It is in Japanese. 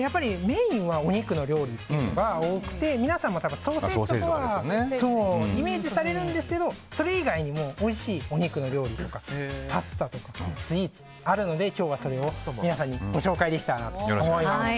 メインはお肉の料理が多くて皆さんもソーセージとかはイメージされるんですけどそれ以外にもおいしいお肉の料理やパスタとかスイーツもあるので今日はそれを皆さんにご紹介できたらなと思います。